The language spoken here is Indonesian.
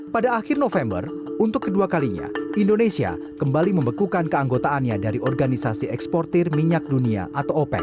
pada akhir november untuk kedua kalinya indonesia kembali membekukan keanggotaannya dari organisasi eksportir minyak dunia atau opec